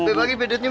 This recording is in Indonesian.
ibu bagi bagi nih